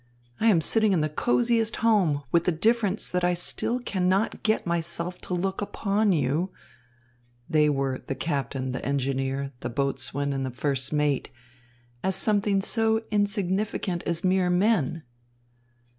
I am sitting in the cosiest home, with the difference that I still cannot get myself to look upon you" they were the captain, the engineer, the boatswain, and the first mate "as something so insignificant as mere men."